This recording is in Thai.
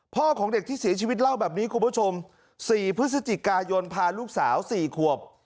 ของเด็กที่เสียชีวิตเล่าแบบนี้คุณผู้ชม๔พฤศจิกายนพาลูกสาว๔ขวบ